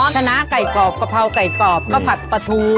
ชนะไก่กรอบกะเพราไก่กรอบก็ผัดปลาทู